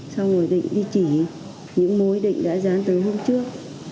xong rồi định đi chỉ những mối định đã dán tới hôm trước